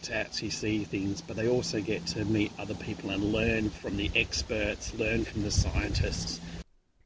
tapi mereka juga bisa bertemu dengan orang lain dan belajar dari para ekspert belajar dari para ilmuwan